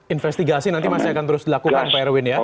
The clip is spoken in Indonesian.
investigasi nanti masih akan terus dilakukan pak erwin ya